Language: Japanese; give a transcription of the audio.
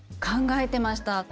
考えてました。